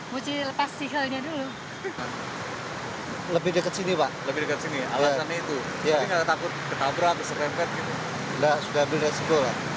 sudah sudah sudah sudah